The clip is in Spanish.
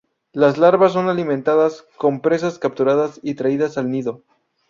Las larvas son alimentadas con presas capturadas y traídas al nido.